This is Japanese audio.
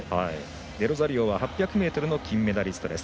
デロザリオは８００ｍの金メダリストです。